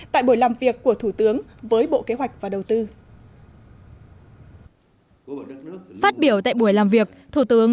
tại buổi làm việc của thủ tướng với bộ kế hoạch và đầu tư